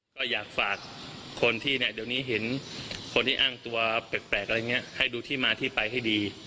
ก็อยากฝากคนที่เนี่ยเดี๋ยวนี้เห็นคนที่อ้างตัวแปลกอะไรอย่างนี้ให้ดูที่มาที่ไปให้ดี